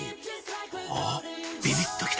あっビビっと来た！